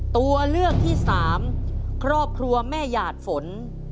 ตัวเลือกที่สามครอบครัวแม่หยาดฝน